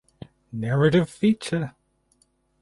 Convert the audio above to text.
Narrative Feature.